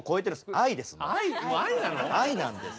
愛なんです。